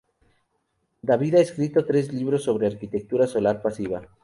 David ha escrito tres libros sobre arquitectura solar pasiva.